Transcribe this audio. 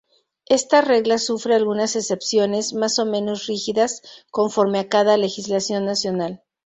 Esta regla sufre algunas excepciones, más o menos rígidas conforme a cada legislación nacional.